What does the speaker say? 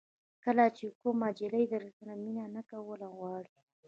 کله چې کومه جلۍ درسره مینه نه کول غواړي.